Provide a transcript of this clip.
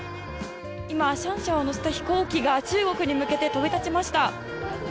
今、シャンシャンを乗せた飛行機が中国に向けて飛び立ちました。